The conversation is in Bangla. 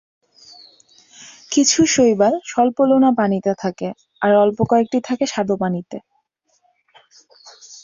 কিছু শৈবাল স্বল্পলোনা পানিতে থাকে আর অল্প কয়েকটি থাকে স্বাদুপানিতে।